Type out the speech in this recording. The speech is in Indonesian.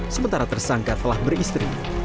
sementara tersangka telah beristri